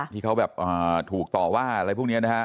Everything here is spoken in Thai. ที่เขาแบบถูกต่อว่าอะไรพวกนี้นะฮะ